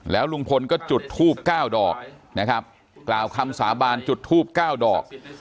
ลุงพลก็จุดทูบ๙ดอกนะครับกล่าวคำสาบานจุดทูบ๙ดอก